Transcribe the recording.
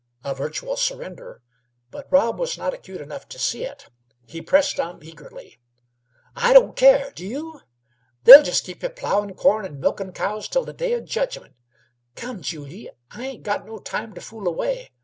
A virtual surrender, but Rob was not acute enough to see it. He pressed on eagerly: "I don't care. Do you? They'll jest keep y' ploughin' corn and milkin' cows till the day of judgment. Come, Julyie, I ain't got no time to fool away.